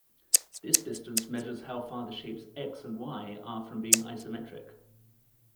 This distance measures how far the shapes "X" and "Y" are from being isometric.